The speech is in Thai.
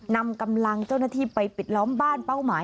นำกำลังเจ้าหน้าที่ไปปิดล้อมบ้านเป้าหมาย